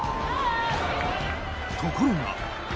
ところが。